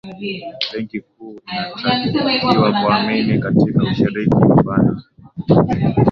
benki kuu inatakiwa kuamini katika ushiriki mpana